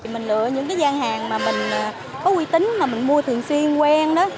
mình lựa những cái gian hàng mà mình có uy tín mà mình mua thường xuyên quen đó